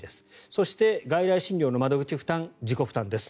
そして、外来診療の窓口負担自己負担です。